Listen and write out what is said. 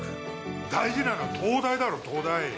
大事なのは東大だろ、東大！